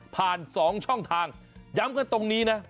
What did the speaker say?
๒ช่องทางย้ำกันตรงนี้นะ